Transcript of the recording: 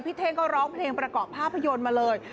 เท่งก็ร้องเพลงประกอบภาพยนตร์มาเลย